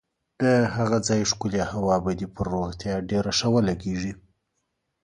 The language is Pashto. د هغه ځای ښکلې هوا به دې پر روغتیا ډېره ښه ولګېږي.